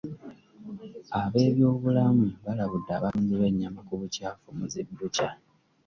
Ab'ebyobulamu balabudde abatunzi b'ennyama ku bukyafu mu zi bbucca.